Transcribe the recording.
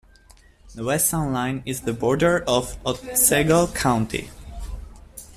The west town line is the border of Otsego County.